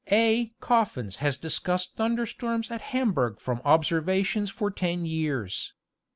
A. Croffins has discussed thunder storms at Hamberg from observations for ten years.